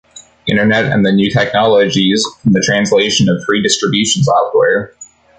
Internet and the new technologies, from the translation of free distribution software.